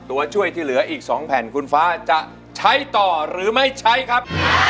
ตัวช่วยที่เหลืออีก๒แผ่นคุณฟ้าจะใช้ต่อหรือไม่ใช้ครับ